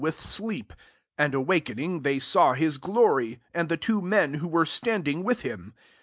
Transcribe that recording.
125 with sleep : and awaking, they saw his glory, and the two men who were standing witli him.